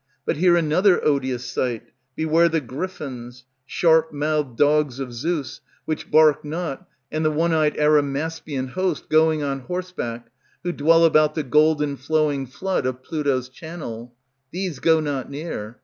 But hear another odious sight; Beware the gryphons, sharp mouthed Dogs of Zeus, which bark not, and the one eyed Arimaspian Host, going on horseback, who dwell about The golden flowing flood of Pluto's channel; These go not near.